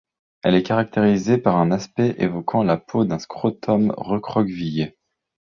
Elle est caractérisée par un aspect évoquant la peau d'un scrotum recroquevillé.